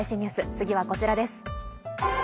次はこちらです。